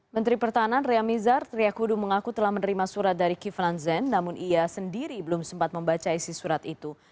menteri pertahanan ria mizar triakudu mengaku telah menerima surat dari kiflan zen namun ia sendiri belum sempat membaca isi surat itu